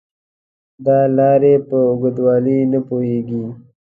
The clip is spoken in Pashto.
دا لارې په اوږدوالي نه پوهېږي .